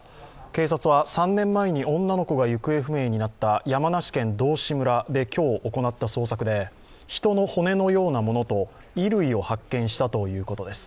警察は３年前に女の子が行方不明になった山梨県道志村で今日、行った捜索で人の骨のようなものと、衣類を発見したということです。